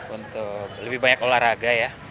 untuk lebih banyak olahraga ya